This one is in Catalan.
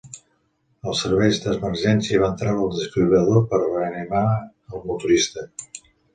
Els serveis d'emergència van treure el desfibril·lador per reanimar el motorista.